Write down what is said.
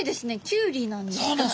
キュウリなんですか？